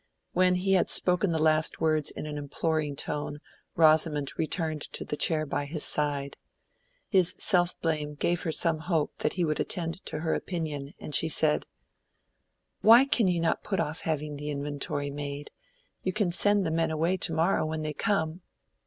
When he had spoken the last words in an imploring tone, Rosamond returned to the chair by his side. His self blame gave her some hope that he would attend to her opinion, and she said— "Why can you not put off having the inventory made? You can send the men away to morrow when they come."